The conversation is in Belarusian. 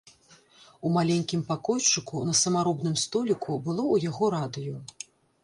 У маленькім пакойчыку, на самаробным століку, было ў яго радыё.